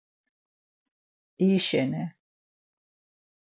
İri şeni.